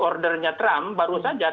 ordernya trump baru saja